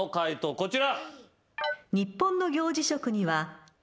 こちら。